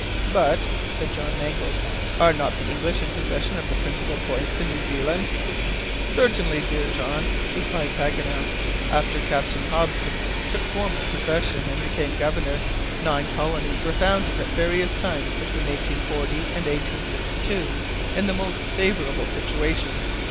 "But," said John Mangles, "are not the English in possession of the principal points in New Zealand?" "Certainly, dear John," replied Paganel. "After Captain Hobson took formal possession, and became governor, nine colonies were founded at various times between 1840 and 1862, in the most favorable situations.